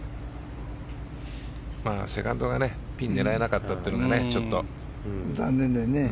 セカンドがピンを狙えなかったというのが残念だよね。